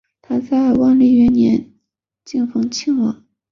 他在万历元年晋封庆王。